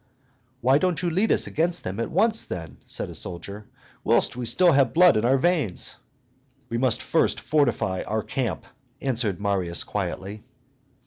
"Why don't you lead us against them at once, then," said a soldier, "whilst we still have blood in our veins?" "We must first fortify our camp," answered Marius quietly.